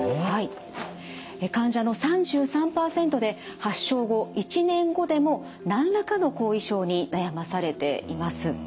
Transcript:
患者の３３％で発症後１年後でも何らかの後遺症に悩まされています。